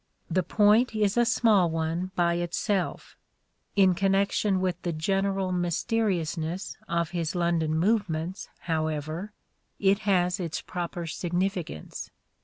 The point is a small one by itself : in connection with the general mysteriousness of his London movements, however, it has its proper significance.